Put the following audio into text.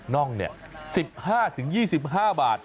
น่อง๑๕๒๕บาท